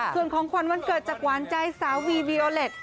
เครื่องของขวัญวันเกิดจากหวานใจสาววีวิอเล็ต